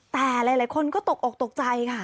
แต่หลายคนก็ตกอกตกใจค่ะ